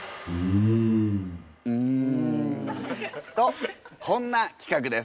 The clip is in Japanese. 「うん」。とこんなきかくです。